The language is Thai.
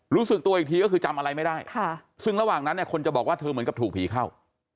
รู้สึกตัวอีกทีก็คือจำอะไรไม่ได้ซึ่งระหว่างนั้นเนี่ยคนจะบอกว่าเธอเหมือนกับถูกผีเข้า